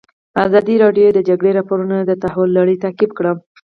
ازادي راډیو د د جګړې راپورونه د تحول لړۍ تعقیب کړې.